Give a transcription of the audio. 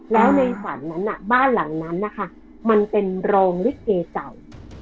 แล้วในฝันนั้นบ้านหลังนั้นนะคะมันเป็นรองลิเกเก่า